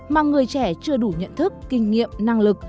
mà người trẻ chưa đủ nhận thức kinh nghiệm năng lực